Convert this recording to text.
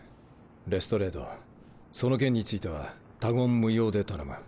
レストレードその件については他言無用で頼む。